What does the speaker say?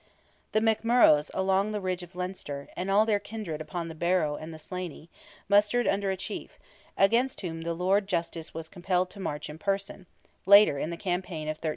The McMurroghs along the ridge of Leinster, and all their kindred upon the Barrow and the Slaney, mustered under a chief, against whom the Lord Justice was compelled to march in person, later in the campaign of 1316.